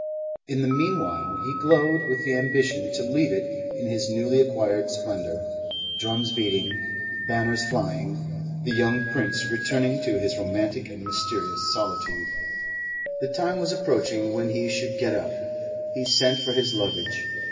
In the meanwhile he glowed with the ambition to leave it in his newly acquired splendour, drums beating, banners flying, the young prince returning to his romantic and mysterious solitude. The time was approaching when he should get up. He sent for his luggage.